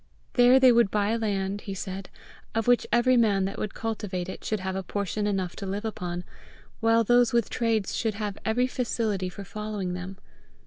There they would buy land, he said, of which every man that would cultivate it should have a portion enough to live upon, while those with trades should have every facility for following them.